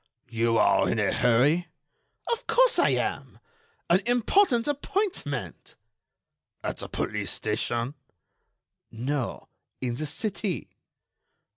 "You are in a hurry." "Of course I am. An important appointment." "At the police station?" "No; in the city."